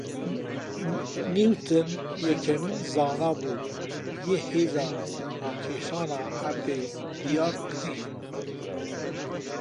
Nîwtin yekemîn zane bû, yê hêza rakêşana erdê diyar kirî